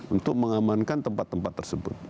untuk mengamankan tempat tempat tersebut